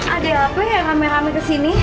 ada apa yang rame rame kesini